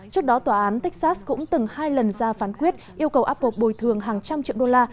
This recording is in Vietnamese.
trước đó tòa án texas cũng từng hai lần ra phán quyết yêu cầu apple bồi thường hàng trăm triệu đô la